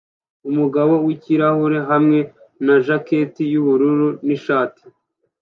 umugabo wikirahure hamwe na jaketi yubururu nishati